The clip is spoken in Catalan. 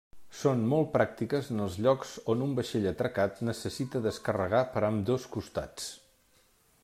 Són molt pràctiques en els llocs on un vaixell atracat necessita descarregar per ambdós costats.